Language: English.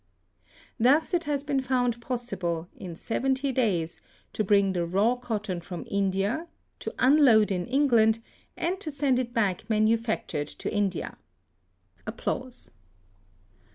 Thus it has been found possible, in seventy days, to bring the raw cotton from India, to unload in England, and to send it back manufactured to India.